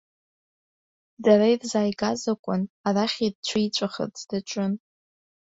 Дара ирзааигаз акәын, арахь ирцәиҵәахырц даҿын.